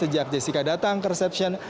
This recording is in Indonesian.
sejak jessica datang ke resepsian